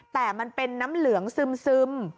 แต่มันเป็นน้ำเหลืองซึม